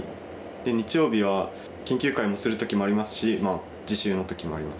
日曜日は研究会もする時もありますし自習の時もあります